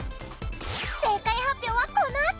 正解発表はこのあと！